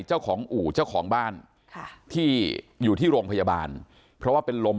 เจ้าของอู่เจ้าของบ้านค่ะที่อยู่ที่โรงพยาบาลเพราะว่าเป็นลม